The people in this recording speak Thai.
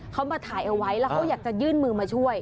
เขามาถ่ายเอาไว้แล้วเขาอยากจะยื่นมือมาช่วย